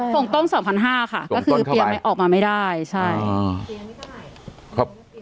ส่งต้นส่องพันห้าค่ะก็คือเปลี่ยออกมาไม่ได้ใช่เปลี่ยไม่ได้ครับ